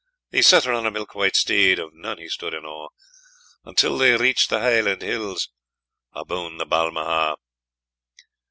He set her on a milk white steed, Of none he stood in awe; Untill they reached the Hieland hills, Aboon the Balmaha'!